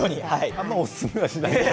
あんまり、おすすめはしない。